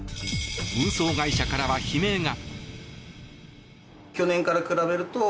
運送会社からは悲鳴が。